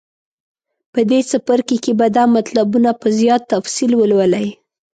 په دې څپرکي کې به دا مطلبونه په زیات تفصیل ولولئ.